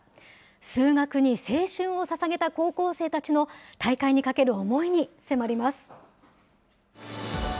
数学に青春をささげた高校生たちの大会にかける思いに迫ります。